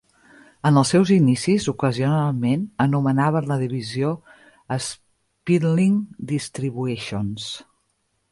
En els seus inicis, ocasionalment, anomenaven la divisió Speedlink Distribution.